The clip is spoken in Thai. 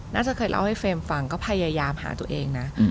น่าจะเคยเล่าให้เฟรมฟังก็พยายามหาตัวเองนะ